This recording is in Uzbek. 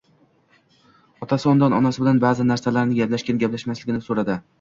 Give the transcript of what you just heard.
otasi undan onasi bilan ba'zi narsalarni gaplashgan- gaplashmaganini so'radi.